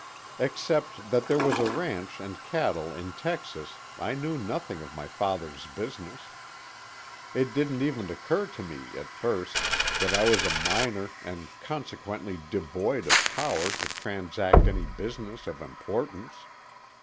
Except that there was a ranch and cattle in Texas I knew nothing of my father's business. It didn't even occur to me, at first, that I was a minor and consequently devoid of power to transact any business of importance.